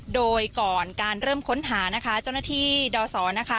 โดยก่อนการเริ่มค้นหานะคะเจ้าหน้าที่ดศนะคะ